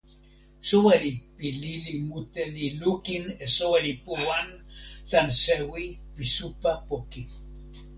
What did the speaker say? soweli pi lili mute li lukin e soweli Puwan tan sewi pi supa poki.